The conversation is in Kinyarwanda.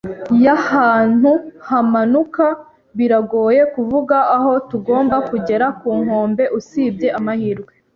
y'ahantu hamanuka, biragoye kuvuga aho tugomba kugera ku nkombe, usibye amahirwe